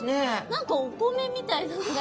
何かお米みたいなのが。